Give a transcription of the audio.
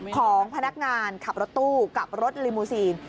ของพนักงานขับรถตู้กับรถลิมูซีน